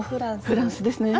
フランスですね。